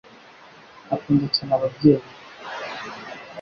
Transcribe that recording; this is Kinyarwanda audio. Akunda cyane ababyeyi be.